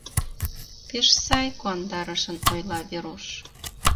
— Пеш сай, — куандарышын ойла Веруш.